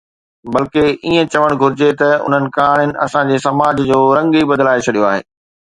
بلڪه ائين چوڻ گهرجي ته انهن ڪهاڻين اسان جي سماج جو رنگ ئي بدلائي ڇڏيو آهي